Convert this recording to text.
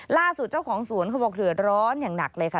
ล่าสุดเจ้าของสวนเขาบอกเดือดร้อนอย่างหนักเลยค่ะ